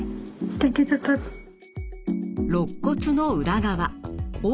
ろっ骨の裏側横